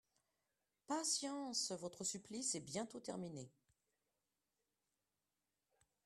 Patience, votre supplice est bientôt terminé